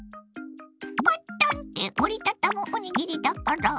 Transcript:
パッタンって折り畳むおにぎりだから。